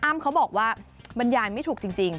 เขาบอกว่าบรรยายไม่ถูกจริง